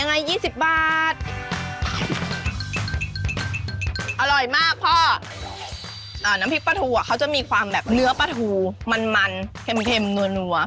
น้ำพริกปลาทูเขาจะมีความแบบเนื้อปลาทูมันเข็มนัว